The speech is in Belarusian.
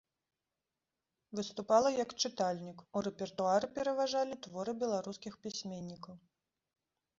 Выступала як чытальнік, у рэпертуары пераважалі творы беларускіх пісьменнікаў.